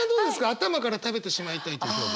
「頭から食べてしまいたい」という表現。